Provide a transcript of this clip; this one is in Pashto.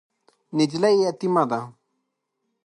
نجلۍ یتیمه ده .